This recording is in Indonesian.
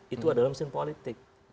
itu adalah mesin politik